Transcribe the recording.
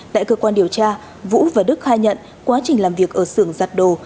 tại cơ quan điều tra vũ và đức khai nhận quá trình làm việc ở xưởng giặt đồ